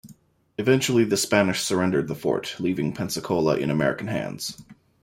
Eventually the Spanish surrendered the fort, leaving Pensacola in American hands.